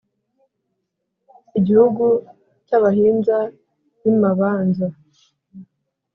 igihugu cy’abahinza bi mabanza